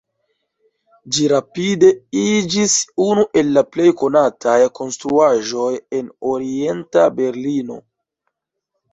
Ĝi rapide iĝis unu el la plej konataj konstruaĵoj en Orienta Berlino.